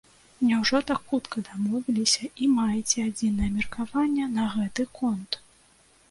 Няўжо так хутка дамовіліся і маеце адзінае меркаванне на гэты конт?